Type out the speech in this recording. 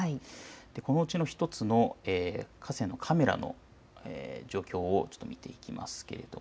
このうちの１つの河川のカメラの状況を見ていきます。